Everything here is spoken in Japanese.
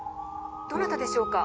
どなたでしょうか？」。